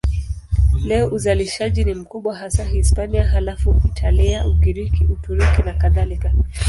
Leo uzalishaji ni mkubwa hasa Hispania, halafu Italia, Ugiriki, Uturuki nakadhalika.